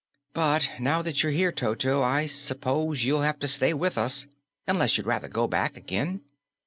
But now that you're here, Toto, I s'pose you'll have to stay with us, unless you'd rather go back again.